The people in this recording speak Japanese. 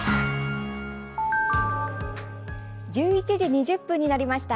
１１時２０分になりました。